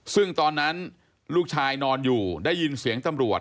ซึ่งตอนนั้นลูกชายนอนอยู่ได้ยินเสียงตำรวจ